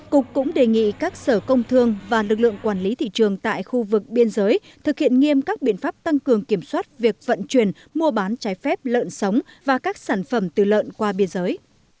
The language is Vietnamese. cục cũng đề nghị các sở công thương và lực lượng quản lý thị trường tại khu vực biên giới thực hiện nghiêm các biện pháp tăng cường kiểm soát việc vận chuyển mua bán trái phép lợn sống và các sản phẩm từ lợn qua biên giới